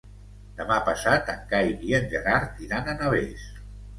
Demà passat en Cai i en Gerard iran a Navès.